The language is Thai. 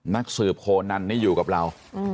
นักสืบโคนันนี่อยู่กับเรา